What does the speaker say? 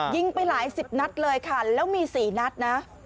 ยิงไปหลายสิบนัดเลยค่ะแล้วมี๔นัดนะ